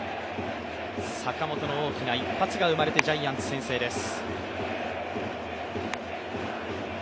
坂本の大きな一発が生まれてジャイアンツ先制です。